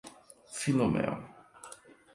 Philomel.